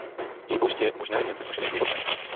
Její použití je možné jen se zkušeným průvodcem.